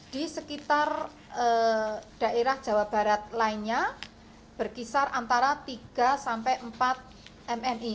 di sekitar daerah jawa barat lainnya berkisar antara tiga sampai empat mmi